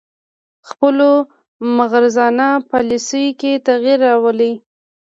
خپلو مغرضانه پالیسیو کې تغیر راولي